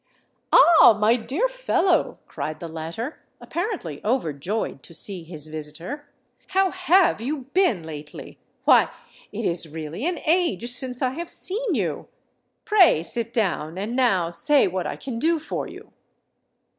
"Ah! my dear fellow," cried the latter, apparently overjoyed to see his visitor, "how have you been lately? Why—it is really an age since I have seen you! Pray sit down—and now say what I can do for you."